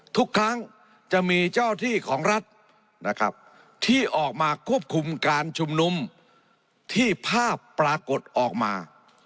ทุกครั้งจะมีเจ้าที่ของรัฐนะครับที่ออกมาควบคุมการชุมนุมที่ภาพปรากฏออกมา